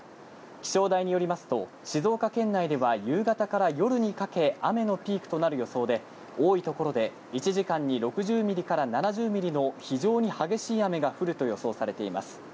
気象台によりますと、静岡県内では夕方から夜にかけ、雨のピークとなる予想で、多い所で１時間に６０ミリから７０ミリの非常に激しい雨が降ると予想されています。